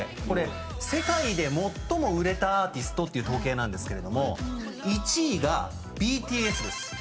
これ世界で最も売れたアーティストっていう統計なんですけれども１位がＢＴＳです。